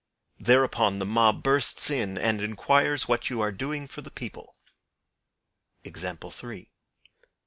Thereupon the mob bursts in and inquires what you are doing for the people.